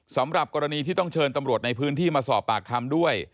สำหรับกรณีที่ต้องเชิญตำรวจในพื้นที่มาสอบปากคำด้วย